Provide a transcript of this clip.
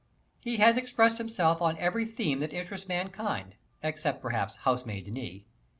He has expressed himself on every theme that interests mankind, except perhaps "housemaid's knee."